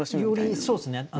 よりそうですね。